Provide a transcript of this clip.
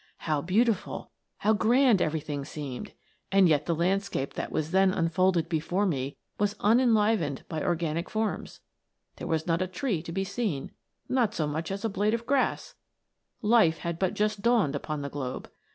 How beautiful, how grand everything seemed ! and yet the landscape that was then unfolded before me was unenlivened by organic forms ; there was not a tree to be seen not so much as a blade of grass life had but just dawned upon the globe.